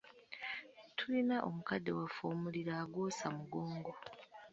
Tulina omukadde waffe omuliro agwosa mugongo.